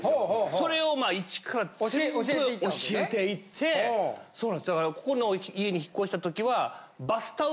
それをまあ１から全部教えていってそうなんすだからここの家に引っ越した時は。